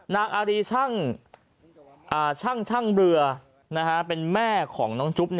นางอารีช่างเรือเป็นแม่ของน้องจุ๊บ